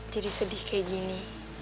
jadi sedih kayak gini